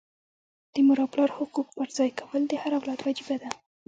د مور او پلار حقوق پرځای کول د هر اولاد وجیبه ده.